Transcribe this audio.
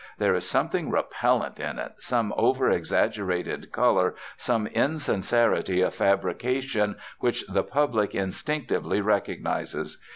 There is something repellent in it, some over exaggerated color, some insincerity of fabrication which the public instinctively recognizes.